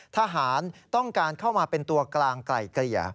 ทหารต้องการเข้ามาเป็นตัวกลางไกล่เกลี่ย